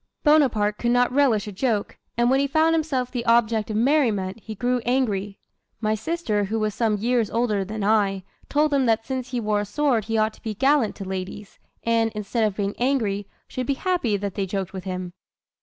Bonaparte could not relish a joke; and when he found himself the object of merriment he grew angry. My sister, who was some years older than I, told him that since he wore a sword he ought to be gallant to ladies, and, instead of being angry, should be happy that they joked with him.